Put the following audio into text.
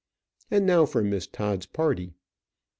And now for Miss Todd's party.